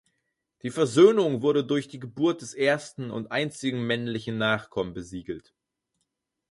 Die Versöhnung wurde durch die Geburt des ersten und einzigen männlichen Nachkommen besiegelt.